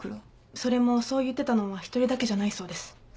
それもそう言ってたのは一人だけじゃないそうです。